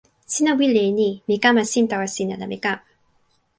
sina wile e ni: mi kama sin tawa sina la mi kama.